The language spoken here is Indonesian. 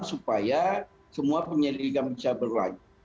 supaya semua penyelidikan bisa berlanjut